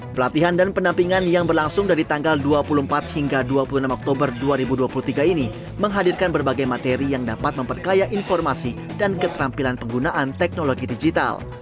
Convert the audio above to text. pelatihan dan penampingan yang berlangsung dari tanggal dua puluh empat hingga dua puluh enam oktober dua ribu dua puluh tiga ini menghadirkan berbagai materi yang dapat memperkaya informasi dan keterampilan penggunaan teknologi digital